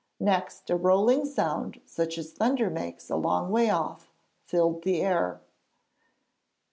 Next a rolling sound such as thunder makes a long way off filled the air.